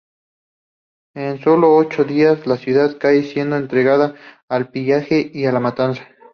En sólo ocho días la ciudad cae, siendo entregada al pillaje y la matanza.